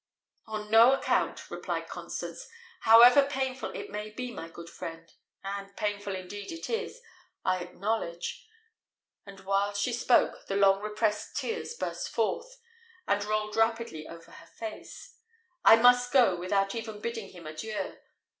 "On no account," replied Constance; "however painful it may be, my good friend and painful indeed it is, I acknowledge" and while she spoke, the long repressed tears burst forth, and rolled rapidly over her face; "I must go without even bidding him adieu.